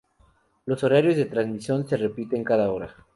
Los horarios de transmisión se repiten cada hora.